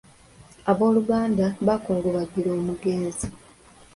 Abooluganda bakungubagira omugenzi.